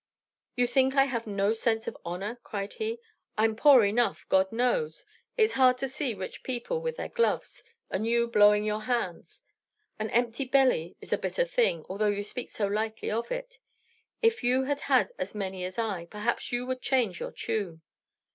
"You think I have no sense of honor!" he cried. "I'm poor enough, God knows! It's hard to see rich people with their gloves, and you blowing your hands. An empty belly is a bitter thing, although you speak so lightly of it. If you had had as many as I, perhaps you would change your tune.